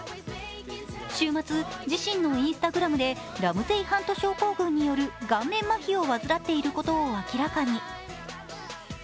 週末、自身のＩｎｓｔａｇｒａｍでラムゼイ・ハント症候群による顔面まひを患っていることを明らかに。